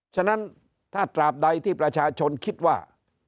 ฉะนั้นถ้าตราบใดที่ประชาชนคิดว่า